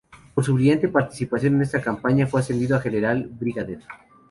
Por su brillante participación en esta campaña, fue ascendido a general brigadier.